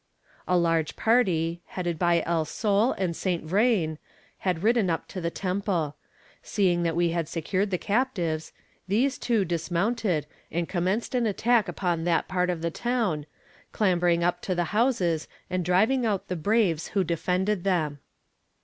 A large party, headed by El Sol and Saint Vrain, had ridden up to the temple. Seeing that we had secured the captives, these too dismounted, and commenced an attack upon that part of the town; clambering up to the houses, and driving out the braves who defended them.